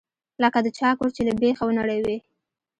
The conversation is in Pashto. لکه د چا کور چې له بيخه ونړوې.